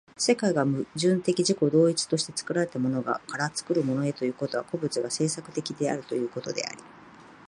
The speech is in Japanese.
世界が矛盾的自己同一として作られたものから作るものへということは、個物が製作的であるということであり、